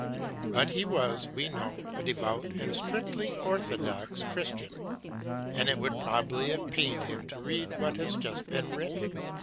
But he was, we know, a devout and strictly orthodox Christian, and it would probably have pained him to read what has just been written.